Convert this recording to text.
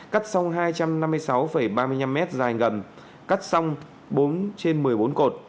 cắt sông hai trăm năm mươi sáu ba mươi năm m dài gầm cắt sông bốn trên một mươi bốn cột